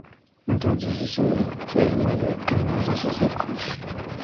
Entonces, Izumi se desmaya y cae en los brazos de Koji.